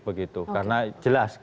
begitu karena jelas